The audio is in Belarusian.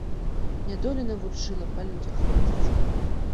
Нядоля навучыла па людзях хадзіць.